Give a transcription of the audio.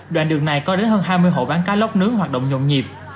đoạn đường này có đến hơn hai mươi hộ bán cá lóc nướng hoạt động nhộn nhịp